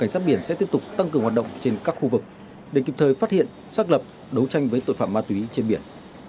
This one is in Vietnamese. sẽ tiếp tục tăng cường hoạt động trên các khu vực để kịp thời phát hiện xác lập đấu tranh với tội phạm ma túy trên biển